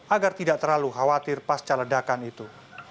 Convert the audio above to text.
agar tidak terlalu khawatir pasca ledakan itu